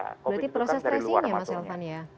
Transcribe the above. berarti proses tes ini ya mas elvan ya